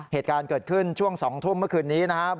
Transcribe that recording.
เหตุการณ์เกิดขึ้นช่วง๒ทุ่มเมื่อคืนนี้นะครับ